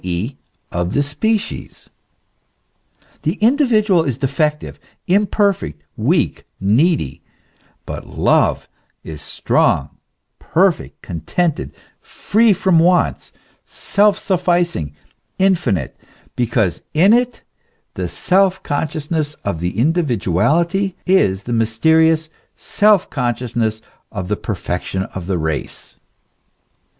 e., of the species. The individual is defective, imperfect, weak, needy ; but love is strong, perfect, contented, tree from wants, self sufficing, infinite ; because in it the self consciousness of the individuality is the mysterious self consciousness of the perfection of the race.